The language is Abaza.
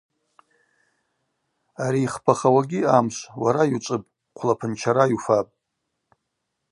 Ари йхпахауагьи, амшв, уара йучӏвыпӏ, хъвлапын чара йуфапӏ.